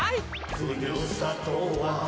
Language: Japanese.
「ふるさとは」